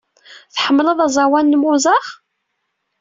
Tḥemmleḍ aẓawan n Mozart?